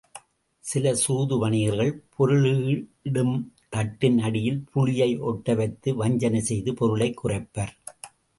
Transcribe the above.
சில சூது வணிகர்கள் பொருளிடும் தட்டின் அடியில் புளியை ஒட்டவைத்து வஞ்சனை செய்து பொருளைக் குறைப்பர்.